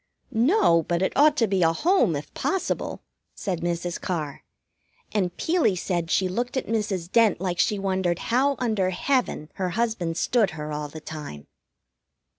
"No, but it ought to be a home, if possible," said Mrs. Carr, and Peelie said she looked at Mrs. Dent like she wondered how under heaven her husband stood her all the time.